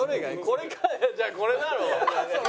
これかなじゃあこれだろ。